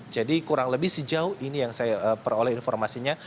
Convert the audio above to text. jadi kurang lebih sejauh ini yang saya peroleh informasinya